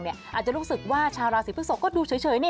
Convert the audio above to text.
อาจจะรู้สึกว่าชาวราศีพฤกษกก็ดูเฉย